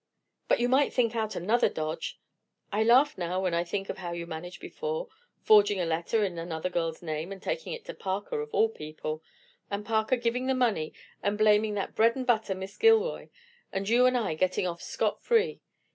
"But you might think out another dodge. I laugh now when I think of how you managed before—forging a letter in another girl's name and taking it to Parker of all people, and Parker giving the money and blaming that bread and butter Miss Gilroy, and you and I getting off scot free.